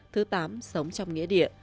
thứ tám sống trong nghĩa địa